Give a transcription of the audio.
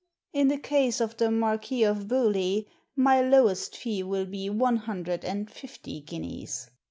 " In the case of the Marquis of Bewlay my lowest fee will be one hundred and fifty guineas."